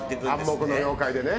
暗黙の了解でね。